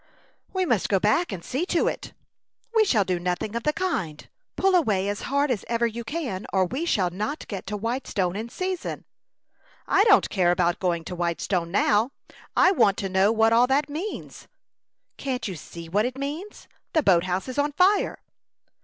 "We must go back and see to it." "We shall do nothing of the kind. Pull away as hard as ever you can, or we shall not get to Whitestone in season." "I don't care about going to Whitestone now; I want to know what all that means." "Can't you see what it means? The boat house is on fire."